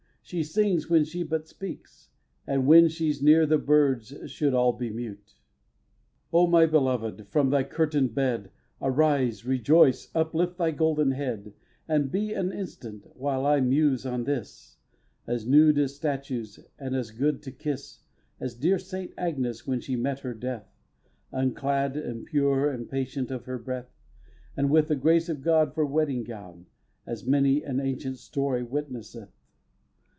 She sings when she but speaks; And when she's near the birds should all be mute. v. O my Belovèd! from thy curtain'd bed Arise, rejoice, uplift thy golden head, And be an instant, while I muse on this, As nude as statues, and as good to kiss As dear St. Agnes when she met her death, Unclad and pure and patient of her breath, And with the grace of God for wedding gown, As many an ancient story witnesseth.